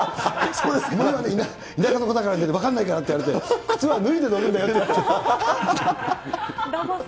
お前は田舎の子だから分かんないかなって言われて、靴は脱いで乗るんだよって。